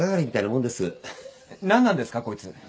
何なんですかこいつ。